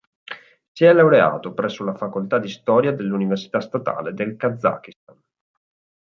Si è laureato presso la facoltà di storia dell'Università statale del Kazakistan.